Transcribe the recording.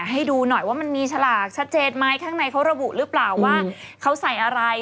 ให้ดูหน่อยว่ามันมีฉลากชัดเจนไหมข้างในเขาระบุหรือเปล่าว่าเขาใส่อะไร